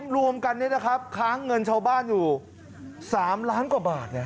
รวมกันค้างเงินชาวบ้านอยู่๓ล้านกว่าบาท